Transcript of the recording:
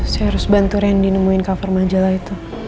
saya harus bantu randy nge review cover majalah itu